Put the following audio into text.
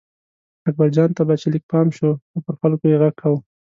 اکبرجان ته به چې لږ پام شو نو پر خلکو یې غږ کاوه.